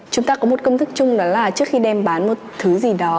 chúng ta có một công thức chung đó là trước khi đem bán một thứ gì đó